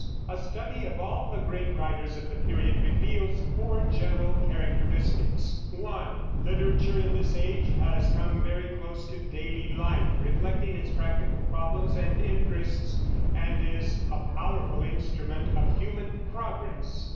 A study of all the great writers of the period reveals four general characteristics: (1) Literature in this Age has come very close to daily life, reflecting its practical problems and interests, and is a powerful instrument of human progress.